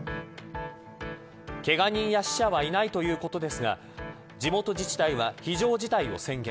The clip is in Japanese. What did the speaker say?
けが人や死者はいないということですが地元自治体は非常事態を宣言。